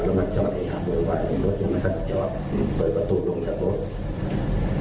แล้วมันจอดเองครับเดี๋ยวว่าเปิดประตูลงจากรถ